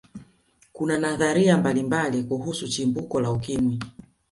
kuna nadharia mbalimbali kuhusu chimbuko la ukimwi